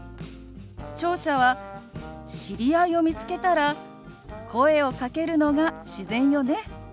聴者は知り合いを見つけたら声をかけるのが自然よね。